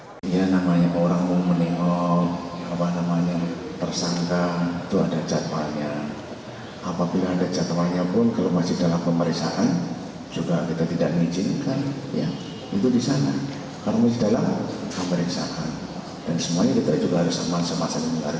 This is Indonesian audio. orang yang menengok tersangka itu ada catwanya apabila ada catwanya pun kalau masih dalam pemeriksaan juga kita tidak mengizinkan itu di sana kalau masih dalam pemeriksaan dan semuanya kita juga harus sama sama menghargai